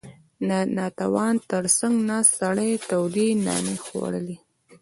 • د نانوا تر څنګ ناست سړی تودې نانې خوړلې.